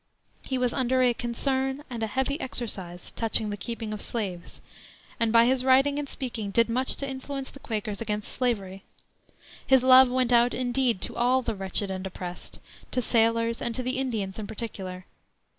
He was under a "concern" and a "heavy exercise" touching the keeping of slaves, and by his writing and speaking did much to influence the Quakers against slavery. His love went out, indeed, to all the wretched and oppressed; to sailors, and to the Indians in particular.